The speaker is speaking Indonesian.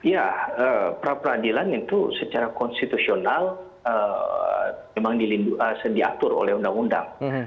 ya pra peradilan itu secara konstitusional memang diatur oleh undang undang